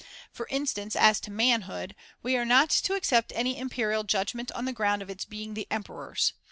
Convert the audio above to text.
For instance, as to ' manhood,' we are not to accept any imperial judgment on the ground of its being the emperor's.